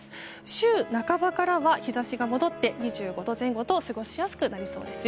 週半ばからは日差しが戻って２５度前後と過ごしやすくなりそうですよ。